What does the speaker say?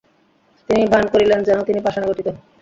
তিনি ভান করিলেন যেন তিনি পাষাণে গঠিত!